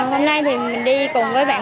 hôm nay thì mình đi cùng với bạn